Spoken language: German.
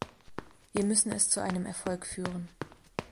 Wir müssen es zu einem Erfolg führen.